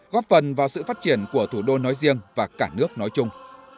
góp phần vào sự phát triển của thủ đô nói riêng và cả nước nói chung